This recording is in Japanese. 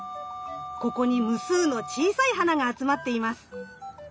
ここに無数の小さい花が集まっています。